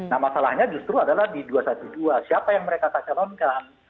nah masalahnya justru adalah di dua ratus dua belas siapa yang mereka tak calonkan